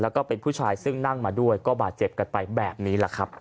แล้วก็เป็นผู้ชายซึ่งนั่งมาด้วยก็บาดเจ็บกันไปแบบนี้แหละครับ